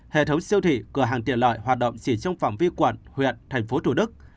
hệ thống siêu thị cửa hàng tiện lợi hoạt động chỉ trong phạm vi quận huyện thành phố thủ đức